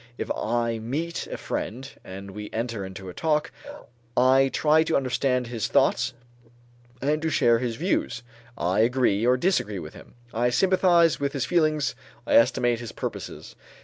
If I meet a friend and we enter into a talk, I try to understand his thoughts and to share his views. I agree or disagree with him; I sympathize with his feelings, I estimate his purposes.